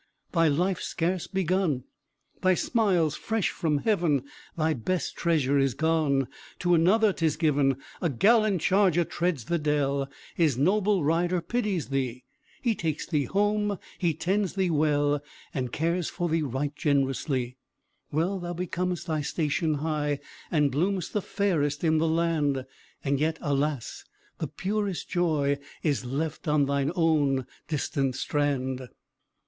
Thy life scarce begun, Thy smiles fresh from heaven, Thy best treasure is gone, To another 'tis given. A gallant charger treads the dell, His noble rider pities thee; He takes thee home, he tends thee well, And cares for thee right gen'rously. Well thou becom'st thy station high, And bloom'st the fairest in the land; And yet, alas! the purest joy Is left on thine own distant strand.